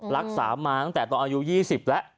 รักษามาตั้งแต่ตอนอายุ๒๐แล้ว